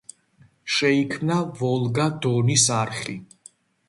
შეიქმნა ვოლგა-დონის არხი.